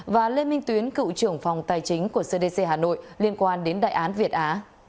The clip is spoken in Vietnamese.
và lê minh tuyến cựu trưởng phòng tài chính của cdc hà nội liên quan đến đại án việt á